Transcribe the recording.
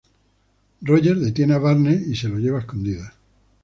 Roger detiene a Barnes y se lo lleva a escondidas.